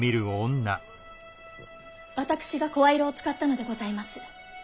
私が声色を使ったのでございます。